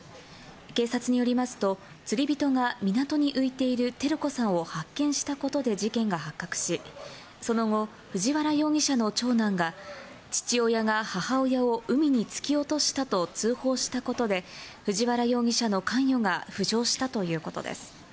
警察によりますと、釣り人が港に浮いている照子さんを発見したことで事件が発覚し、その後、藤原容疑者の長男が、父親が母親を海に突き落としたと通報したことで、藤原容疑者の関与が浮上したということです。